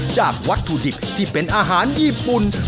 วัตถุดิบที่เป็นอาหารญี่ปุ่น